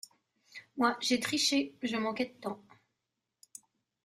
Mais moi j’ai triché, je manquais de temps.